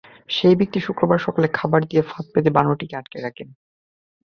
সেই ব্যক্তিই শুক্রবার সকালে খাবার দিয়ে ফাঁদ পেতে বানরটিকে আটক করেন।